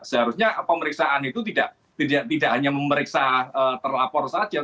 seharusnya pemeriksaan itu tidak hanya memeriksa terlapor saja